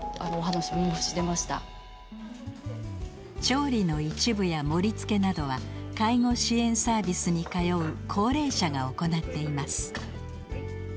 調理の一部や盛り付けなどは介護支援サービスに通う高齢者が行っています。